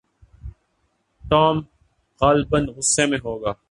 Tom غالباً غصے میں ہوگا۔